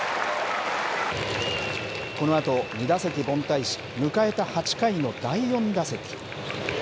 このあと２打席凡退し、迎えた８回の第４打席。